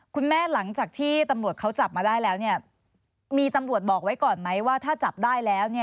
คุณแม่หลังจากที่ตำลวดเขาจับมาได้แล้วเนี่ยมีตำลวดบอกไว้ก่อนไหมว่าถ้าจับได้แล้วเนี่ย